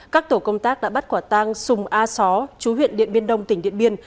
các tổ công tác đã bắt quả tang sùng a só chú huyện điện biên đông tỉnh điện biên